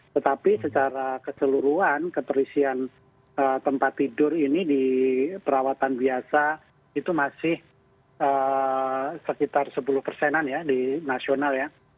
tetapi secara keseluruhan keterisian tempat tidur ini di perawatan biasa itu masih sekitar sepuluh persenan ya di nasional ya